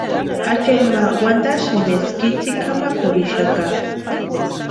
Acheeti ma wantasïnti eska itsï kʼamakurhixaka.